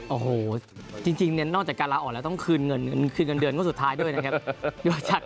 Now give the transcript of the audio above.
โอ้โหจริงเนี่ยนอกจากการลาออกแล้วต้องคืนเงินคืนเงินเดือนงวดสุดท้ายด้วยนะครับ